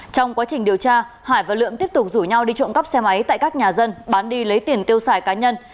trong quá trình điều tra hải và lượng tiếp tục rủ nhau đi trộm cắp xe máy tại các nhà dân bán đi lấy tiền tiêu xài cá nhân